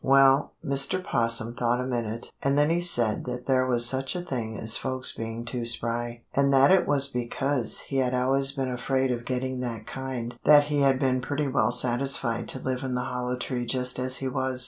Well, Mr. 'Possum thought a minute, and then he said that there was such a thing as folks being too spry, and that it was because he had always been afraid of getting that kind that he had been pretty well satisfied to live in the Hollow Tree just as he was.